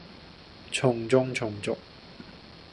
從眾從俗